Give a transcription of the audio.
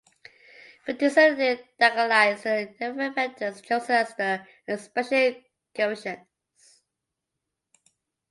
When this is diagonalized, the eigenvectors are chosen as the expansion coefficients.